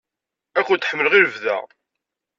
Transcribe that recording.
Ad kent-ḥemmleɣ i lebda!